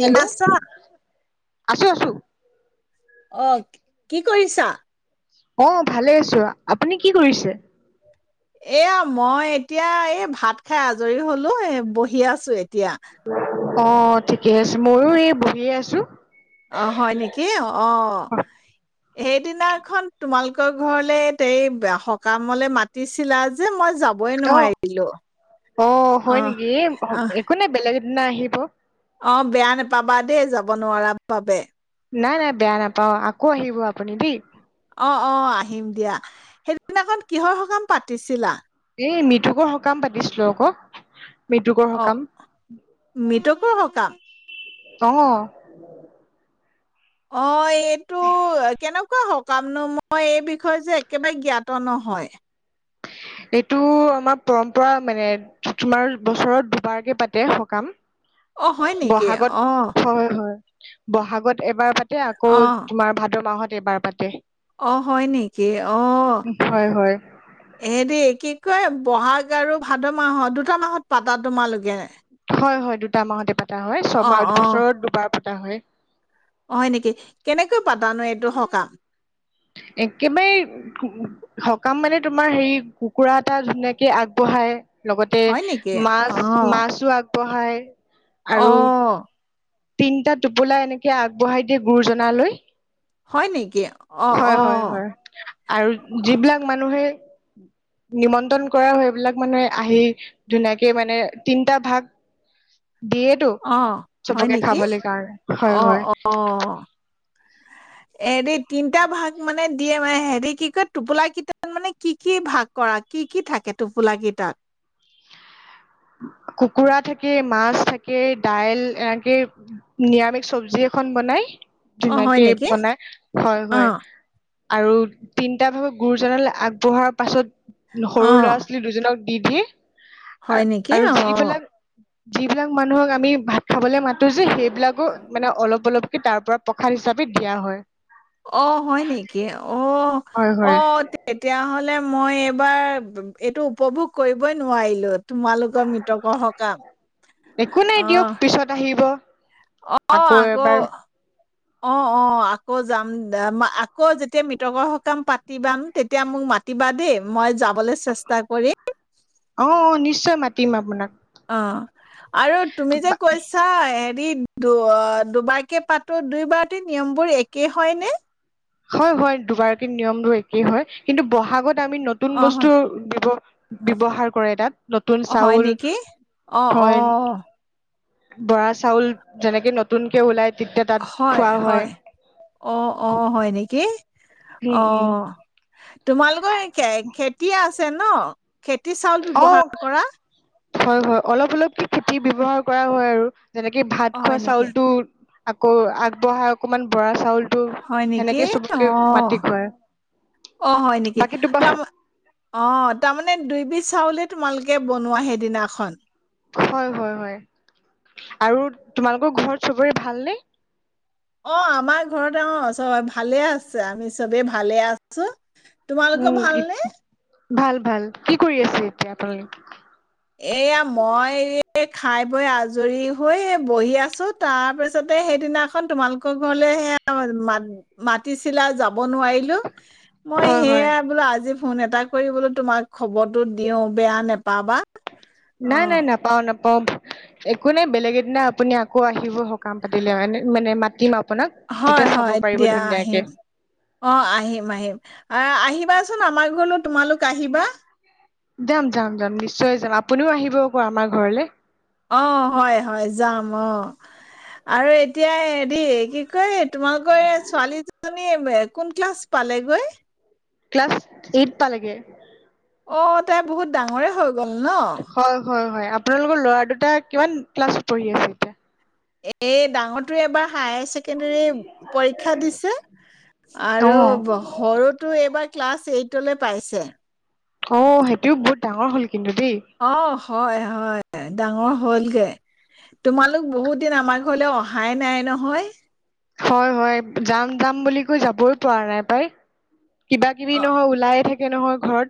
Hello আছো আছো অ কি কৰিছা অ ভালে আছো আপুনি কি কৰিছে এয়া মই এতিয়া এই ভাত খাই আজৰি হলো এ বহি আছো এতিয়া এতিয়া অ, ঠিকে আছে। মইও এই বহিয়ে আছো। অ, হয় নেকি অ। সেইদিনাখন তোমালোক ঘৰলে সকামলে মাতিছিলা যে মই যাবই অ, নোৱাৰিলো অ, অ হয় নেকি অ একো নাই বেলেগ নাহিব। অ, বেয়া নাপাবা দেই, যাব নোৱাৰা বাবে। নাই, নাই বেয়া নাপাওঁ। আহিব আপুনি দেই। অ, 'অ আহিম দিয়া। সেইটো সদিনাখন কিহৰ সকাম পাতিছিলা। এই মিঠুকৰ সকাম পাতিছিলো আকৌ। মৃতৃতুকৰ সকাম। আক সকাম। আহ। অ, এইটো কেনেকুৱা সকামনো, মই এই বিষয়ে যে, একেবাৰে জ্ঞাত নহয়। এইটো আমাৰ পৰম্পৰা মানে। তোমাৰ বছৰত দুবাৰকে পাতে সকাম। অ, হয়। নেকি বহাগত অ। হয় হয় বহাগত এবাৰ পা এ, আকৌ অ', তোমাৰ ভাদ মাহত [unintelligible] কেইবাৰ পাতে। অ, হয়। নেকি অ, হয় হয় এ, দেই কি ক ব'হাগ আৰু ভাদ মাহৰ দুটা মাহত পাতা তোমালোকে। হয়, হয়। দুটা মাহতে পাটো। এটা হয়। অ', ছমাহ অ', বছৰত দুবাৰ ত [inaudible] হয় নেকি কেনেকৈ পাতানো এইটো সকাম। একেবাৰে সকাম-মানে তোমাৰ হেৰি কুকুৰা এটা ধুনীয়াকে আগবঢ়ায়। লগতে হয় নেকি? মাছ, অ', মাছো আগ পঢ়ায়। আৰু? অ', তিনিটা টোপোলা এনেকে আগবঢ়াই দিয়ে গুৰুজনালৈ। হয, নেকি। অ', হয়, ' হয়, ' অ', হয়। আৰু যিবিলাক মানুহে নিমন্ত্ৰণ কৰা হয়। এইবিলাক মানুহে আহি ধুনীয়াকে মানে তিনটা ভাগ দিয়েটো অ', হয় চবকে নেকি? খাবলৈ কাৰণে। হয়, হয়। এৰি তিনটা ভাগ মানে দিয়ে, মে হেৰি কি কয় টোপোলা কেইটাত মানে, কি কি ভাগ কৰা। কি কি থাকে টোপোল কেইটাত। কুকুৰা থাকে, মাছ থাকে, দাইল, এনেকে নিৰামিষ চবজি এখন বনাই। অ হয় ধুনীয়াকে নেকি বনাই হয়, অ হয়। আৰু তিনিটা ভাগে গুৰুজনালৈ আগবঢ়াৰ পাছত অ সৰু ল'ৰা ছোৱালী দুজনক ইজ হয় নেকি আৰু অ যিবিলাক যিবিলাক মানুহক আমি ভাত খাবলে মাতো যে সেই বিলাকো মানে অলপ উপলক্ষ্ধি তাৰ পৰা প্ৰসাদ হিচাপে দিয়া হয় অ হয় নেকি অ হয় হয় অ' তেতিয়া নহ'লে মই এইবাৰ এইটো উপভোগ কৰিবই নোৱাৰিলোঁ। তোমালোকৰ মৃতকৰ সকাম। একো নাই দিয়ক অ' পিছত আহিব অ' আকৌ অ' অ' আকৌ যাম। আকৌ যেতিয়া মৃতকৰ সকাম পাতিবা তেতিয়া মোক মাতিবা দেই। মই যাবলৈ চেষ্টা কৰিম। অ' অ' নিশ্চয় মাতিম আপোনাক। অ'। আৰু তুমি যে কৈছা যদি দু দুবাৰকে পাতো দুইবাৰতে নিয়মবোৰ একেই হয় নে? হয়, হয় দুবাৰকে নিয়মটো একেই হয়। কিন্তু বহাগত আমি নতুন অ হয় বস্তু দিব ব্যৱহাৰ কৰে তাত। নতুন অ' হয় চাউল নেকি অ' হয় অ'। বৰা চাউল যেনেকে নতুন কে ওলাই। তেতিয়া তাত হয়, খোৱা হয় অ' অ' হয় নেকি। উম উম অ'। তোমালোকৰ খেতি আছে চে ন? খেতি চাউল অ ব্যৱহাৰ কৰা? হয় হয় অলপ অলপ কি খেতি ব্য্য়ৱহাৰ কৰা হয় আৰু। যেনেকে ভাত অ খোৱা হয় নেকি চাউলটো। আকৌ আগবঢ়া অকণমান বৰা চাউল। হয় নেকি অ' খুৱাই অ' হয় নেকি বাকী তোমাৰ তাৰ অ' তাৰমানমানে দুই বিধ চাউলে তোমালোকে বনোৱা সেইদিনাখন? হয় হয় হয় আৰু তোমালোকৰ ঘৰত চবৰে ভালনে? অ' আমাৰ ঘতে অ' চব ভালে আছে আমি চবেই ভালে আছো। তোমালোকেও উম ভালনে? ভাল ভাল কি কৰি আছে এতিয়া আপোনালোকে? এয়া মই এই খাই বৈ আজৰি হৈ বহি আছো তাৰ পিছতে সেইদিনাখন তোমালোকৰ ঘৰলে সেয়া মাটি চিলা যাব যাব নোৱাৰিলোঁ। মই হয় হয় সেইয়াই বোলো আজি ফোন এটা কৰিবলৈ তোমাক খবৰটো দিও বেয়া নেপাবা অ নাই নাই নাই পাও নাপা একো নাই বেলেগ এদিনা আপুনি আকৌ আহিব সকাম পাতিলে মানে মানে মাতি ম হয় হয় দিয়া আহিম অ আহিম আহিম আহ আহিম কিবাচোন আমাৰ ঘলৈ তোমালোক আহিবা যাম যাম যাম নিশ্চয় যাম আপুনিও আহিব আকৌ আমাৰ ঘৰলৈ অ হয় হয় যাম অ আৰু এতিয়া হেৰি কি ক তোমালোকৰ ছোৱালী কেইজনী কোন ক্লাছ পালেগৈ ক্লাছ এইট পালাগে অ তাই বহুত ডাঙৰেই হৈ গ'ল ন? হয় হয় হয় আপোনালোকৰ লৰা দুটা কিমান ক্লাছত পঢ়ি আছে এতিয়া এ ডাঙৰটোে এবাৰ হাইচেকেণ্ডৰী পৰীক্ষা দিচে অ আৰু সৰুতো এইবাৰ ক্লাছ এইট পাইছে অ সেইটোও বহুত ডাঙৰ হ'ল কিন্তু অ', হয় হয় ডাঙৰ হলগে তোমালোক বহুত দিন আমাৰ ঘৰলৈ অহাই নাই নহয় হয় হয় যাম যাম বুলি কৈ যাবই পৰা নাই পাই কিবা কিবি অ', নহয় ওলায়ে থাকে স নহয় ঘৰত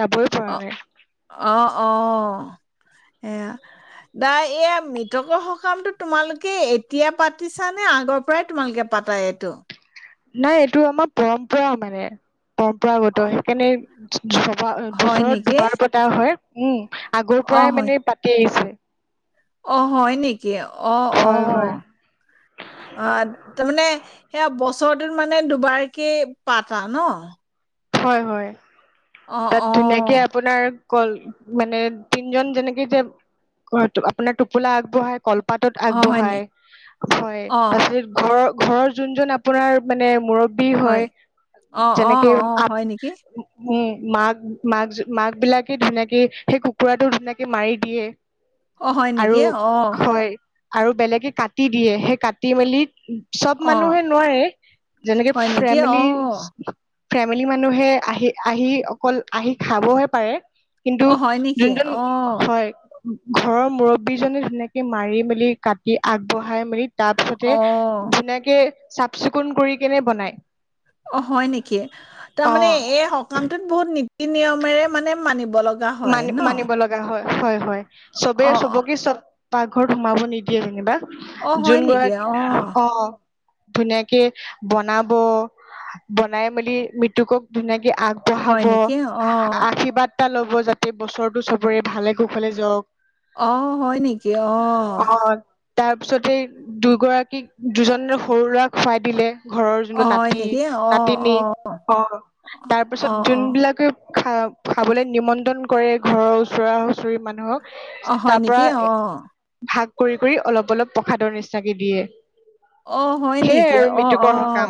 যাবই পৰা অ', নাই অ সেয়া দা এয়া মৃতকৰ সকামটো তোমালোকে এতিয়া পাতিছ নে আগৰ পৰাই তোমালোকে পাতা এইটো নাই এইটো আমাৰ পৰম্পৰা মানে পৰম্পৰাগত অ', সেইকাৰণেবা হয় বছৰত নেকি? দুবাৰ পতা হয় উম আগৰ অ', পৰাই হয়, মানে পাতি আহিছে অ হয় নেকি কি অ অ হয় হয় অ তাৰ মানে সেয়া বছৰটোত মানে দুবাৰকে পাতা ন হয় হয় অ', তাত ধুনীয়াকে অ', আপোনাৰ ল মানে তিনজন যেনেকে যে আপোনাৰ টোপোলা আগবঢ়াই কল পাতত অ', হয়নি? আগবঢ়াই হয় অ', তাৰপিছত ঘৰৰ ঘৰৰ যোন যোন আপোনাৰ মানে মূৰত বি হয়, অ', অ', যেনেকে অ', আপ হয় নেকি? উম মাক মাক মাক বিলাকে ধুনীয়াকে সেই কুকুৰাটো ধুনীয়াকে মাৰি দিয়ে অ হয় আৰু নেকি অ হয় আৰু বেলেগে কাটি দিয়ে সেই কাটি মেলি চব অ', মানুহে নোৱাৰে। যেনেকে হয় নেকি? ফেমিলি অ', ফেমিলি মানুহে আহি আহি অকল আহি খাবহে পাৰে কিন্তু অ', হয় নেকি? যোনজন অ', হয় ঘৰৰ মুৰব্বী জনে ধুনীয়াকে মাৰি মেলি কাটি আগবঢ়াই মেলি তাৰপিছতে অ', ধুনীয়াকে চাফ চিকুণ কৰি কেনে বনাই অ হয় নেকি? তাৰমানে অ এই সকামটোত বহুত নি- ই নিয়মেৰে মানে মানিব হয় মানি ন? মানিব লগা হয় হয় হয় চবে অ', চবকে কি পাকঘৰত সোমাব নিদিয়ে যেনিবা অ', হয় যোন নেকি? গৰাকী অ ধুনীয়াকে বনাব বনাই মেলি মৃতুকক ধুনীয়াকে হয় আগবঢ়াব, নেকি? অ', আশীৰ্বাদ তল' ব [unintelligible] যাতে বছৰটো চ- ভালে কুশলে যাওক। অ', হয় নেকি? অ তাৰ পিছতে দুগৰাকীক দুজন সৰু ল'ৰাক খুৱাই দিলে ঘৰৰ যোন অ', হয় নাতি নেকি? অ', নাতিনী অ'। অ তাৰপিছত অ অ যোনবিলাকে খা খাবলৈ নিমন্ত- ন কৰে ঘৰৰ ওচৰা হুচৰি মানুহক অ হয় তাৰ পৰা নেকি অ ভাগ কৰি কৰি অলপ অলপ প্ৰসাদৰ নিচিনাকে দিয়ে অ হয় সেইয়াই নেকি আৰু অ অ মৃত্যুকৰৰ কাম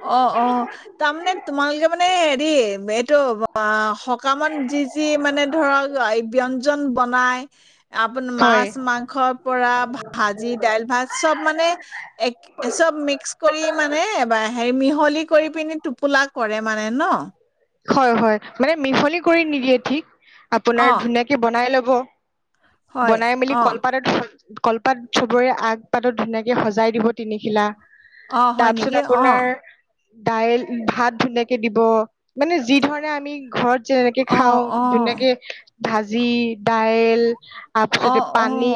অ অ তাৰমানে তোমালোকে মানে হেৰি এইটো অ সকামত যি যি মানে ধৰক এই ব্যঞ্জন বনাই আপোন হয় মাছ মাংসৰ পৰা ভাজি দাইল ভাত চব মানে চব মিক্স কৰি মানে এবাৰ হে মিহলি কৰি পিনি টোপোলা কৰে মানে ন হয় হয় মানে মিহলি কৰি নিদিয়ে ঠিক অ আপোনাৰ ধুনীয়াকে বনাই ল'ব হব হয় বনাই মেলি অ কলপাৰাটো কলপাত চবৰে আগ পাতত ধুনীয়াকৈ সজাই দিব তিনিখিলা অ হয় তাৰপিছত নেকি অ আপোনাৰ দাইল ভাত ধুনীয়াকে দিব মানে যি ধৰণে আমি ঘৰত যেনেকে অ খাওঁ অ ধুনাকে ভাজি দাইল তাৰ অ পিছতে অ পানী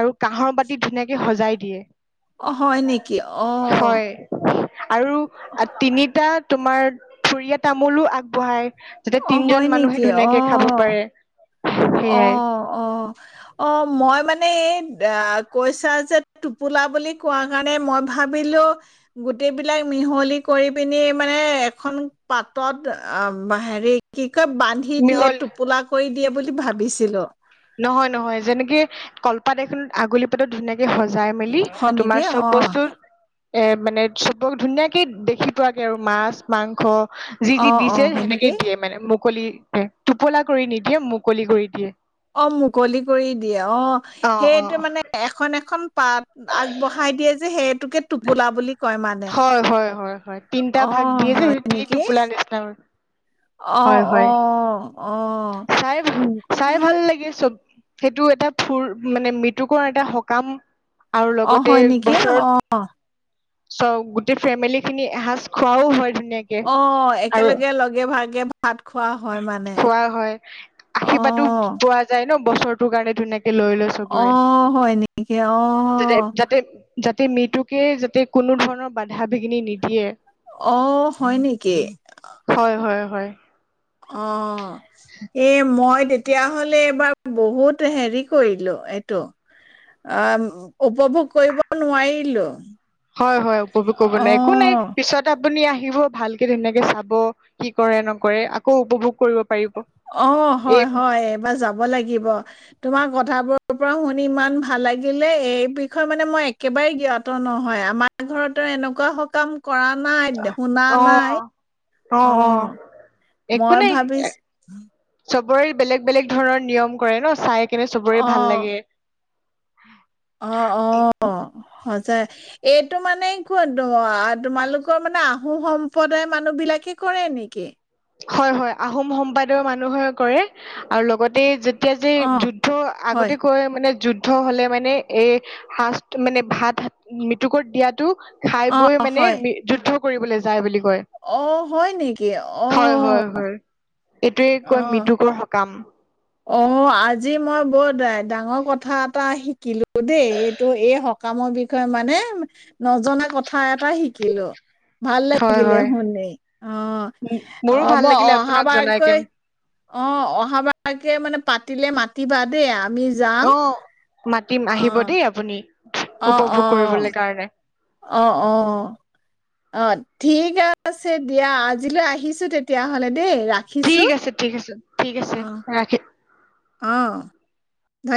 আৰু কাঁহৰ বাতি ধুনীয়াকে সজাই দিয়ে অ হয় নেকি অ হয় আৰু তিনিটা তোমাৰ থুৰীয়া তামোলো আগবঢ়ায় যাতে অ হয় তিনজন নেকি? মানুহে অ ধুনীয়াকে খাব পাৰে অ সেইয়াই অ অ মই মানে এই কৈছা যে টোপোলা বুলি কোৱা কাৰণে মই ভাবিলো গোটেইবলাক মিহলি কৰি পিনি মানে এখন পাতত হেৰি কি বান্ধি দিয়ে মিহল টোপোলা কৰি দিয় বুলি ভাবিছিলো নহয় নহয় যেনেকে কলপাত এইখনত আগুলি পাতো ধুনীয়াক সজাই মেলি হয় নেকি তোমাৰ অ চব বস্তু এ মানে চবক ধুনীয়াকে দেখি পোৱাকে আৰু মাছ মাংস যি অ যি অ দিছে হয় সেনেকে নেকি দিয়ে মানে মোক মুকলি টোপোলা কৰি নিদিয়ে মুকলি কৰি দিয়ে অ মুকলি কৰি দিয়ে অ অ অ সেইটো মানে এখন এখন পাত আগবঢ়াই দিয়ে যে সেই হয় হয় হয় হয় তিনটা অ ভাগ দি আছে সেইোৱেই টোপোলা নচনা আহ অ আহ চাই উম চাই ভাল লাগে চব সেইটো এটা ফুৰ মানে মৃত্যুকৰ এটা সকাম আৰু অ লগতে হয় নেকি বছৰত অ চব গোটেই ফেমিলি খিনি এসাঁজ খোৱাও হয় ধুনীয়াকে অ আৰু একেলগে লগে ভাগ গ খোৱা হয় আশীৰ্বাদো পোৱা যায় ন বছৰটোৰ কাৰণে ধুনাক আহ হয় নেকি আহ া মৃতকে যাতে কোনো ধৰণৰ বাধা বিঘিনি নিদিয়ে অ হয় নেকি হয় হয় হয় অ এ মই তে তেতিয়া হলে এইবাৰ বহুত হেৰি কৰিলো এইটো অ উপভোগ কৰিব নোৱাৰিলো হয় হয় উপভোগ কৰিব নাই একো নাই পিছত আপুনি আহিব ভালকে ধুনীয়াকে চাব কি কৰে নকৰে আকৌ উপভোগ কৰিব পাৰিব অ হয় এই হয় এইবাৰ যাব লাগিব তোমাৰ কথাবোৰৰ পৰা শুনি ইমান ভাল লাগিলে এই বিষয়ে মানে মই একেবাৰে জ্ঞাত নহয় আমাৰ ঘৰতো এনেকুৱা সকাম কৰা নাই শুনা নাই আহ অ একো মই নাই এ ভাবিছো চবৰে বেলেগ বেলেগ ধৰণৰ নিয়ম কৰে ন চাই কিন্ত চবৰে ভাল অ', লাগে হম অ অ এইটো মানে ক তোমালোকৰ মানে আহোম সম্প্ৰদায়ৰ মানুহ বিলাকে কৰে নেকি হয় হয় আহোম সম্পাদৰ মানুহে কৰে আৰু লগতে য এতিয়া যে অ', যুদ্ধ হয়, আগতে কয় মানে যুদ্ধ হলে মানে এ সাজ মানে ভাত মুকৰত দিয়াতো খাই বৈ অ', মানে হয়, যুদ্ধ কৰিবলৈ যায় বুলি কয়। অ হয় নেকি অ হয় হয় হয় এইটোৱে কয় অ'। মৃতুকৰ সকাম অ আজি মই বৰ ডাঙৰ কথা এটা শিকিলো দেই এইটো এই সকামৰ বিষয়ে মানে নজনা কথা এটা শিকিলো ভাল হয়, লাগিলে হয়। শুনি অ মোৰো হ'ব ভাল লাগিলে আপোনাক জনাই অহাবাৰকৈ কেনে। অ অহাবাৰ তাকে মানে পাতিলে মাতিবা দেই আমি যাম অ' মাতিম আহিব অ', দেই আপুনি। অ', উপভোগ অ', কৰিবলৈ কাৰণে। অ' অ'। ঠিক আছে দিয়া আজিলৈ আহিছো তেতিয়াহ'লে। দেই ৰাখিছো। ঠিক আছে ঠিক আছে ঠিক আছে অ', ৰাখি অ'। ধন্যবাদ।